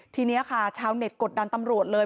ทีนี้ค่ะชาวเน็ตกดดันตำรวจเลย